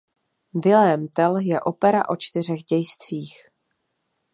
Vilém Tell je opera o čtyřech dějstvích.